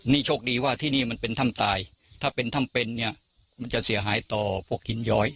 นี่โชคดีว่าที่นี่มันเป็นถ้ำตายถ้าเป็นถ้ำเป็นเนี่ยมันจะเสียหายต่อพวกหินย้อย